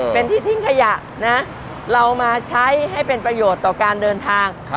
เป็นที่ทิ้งขยะนะเรามาใช้ให้เป็นประโยชน์ต่อการเดินทาง